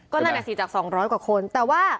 ก็นั่นเนี่ยสิจาก๒๐๐กว่าคน